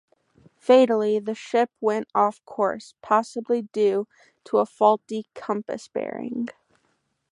Fatally, the ship went off-course, possibly due to a faulty compass bearing.